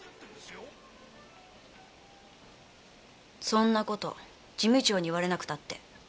⁉そんなこと事務長に言われなくったって。